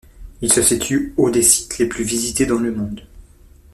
Il se situe au des sites les plus visités dans le monde.